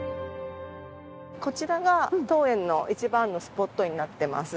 こちらが当園の一番のスポットになっています。